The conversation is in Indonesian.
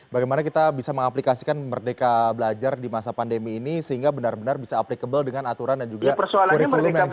bagaimana kita bisa mengaplikasikan merdeka belajar di masa pandemi ini sehingga benar benar bisa applicable dengan aturan dan juga kurikulum yang jelas